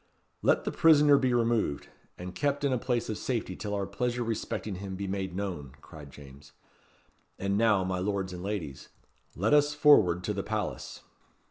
"Let the prisoner be removed, and kept in a place of safety till our pleasure respecting him be made known," cried James. "And now, my lords and ladies, let us forward to the palace."